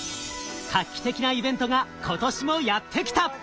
画期的なイベントが今年もやって来た！